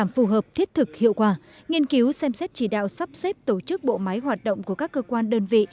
phù hợp thiết thực hiệu quả nghiên cứu xem xét chỉ đạo sắp xếp tổ chức bộ máy hoạt động của các cơ quan đơn vị